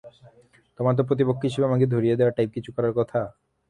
তোমার তো প্রতিপক্ষ হিসেবে আমাকে ধরিয়ে দেয়া টাইপ কিছু করার কথা?